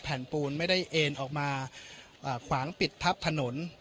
แผ่นปูนไม่ได้เอ็นออกมาอ่าขวางปิดพับถนน